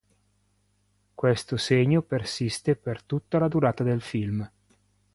Questo segno persiste per tutta la durata del film.